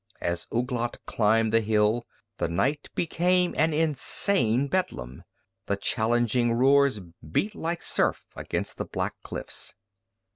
As Ouglat climbed the hill, the night became an insane bedlam. The challenging roars beat like surf against the black cliffs.